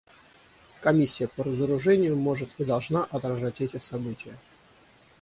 Комиссия по разоружению может и должна отражать эти события.